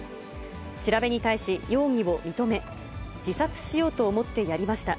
調べに対し容疑を認め、自殺しようと思ってやりました。